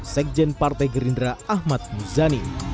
sekjen partai gerindra ahmad muzani